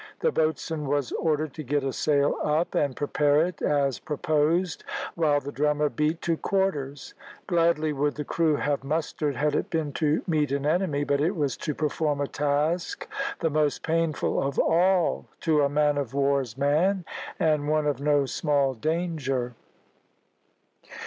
The boatswain was ordered to get a sail up and prepare it as proposed, while the drummer beat to quarters. Gladly would the crew have mustered had it been to meet an enemy, but it was to perform a task the most painful of all to a man of war's man, and one of no small danger.